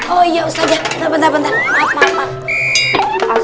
oh iya ustazah bentar bentar maaf